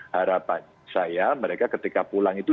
harapan saya mereka ketika pulang itu